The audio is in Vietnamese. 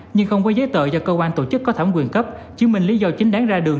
nhưng không có giấy tờ do cơ quan tổ chức có thẩm quyền cấp chứng minh lý do chính đáng ra đường